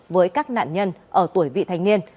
với các nạn nhân ở tuổi vị thành niên